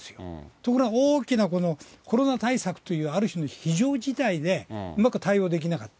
ところが大きなコロナ対策という、ある種の非常事態でうまく対応できなかった。